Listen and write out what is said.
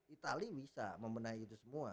itali bisa memenai itu semua